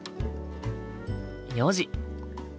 ４時。